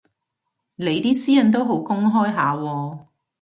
你啲私隱都好公開下喎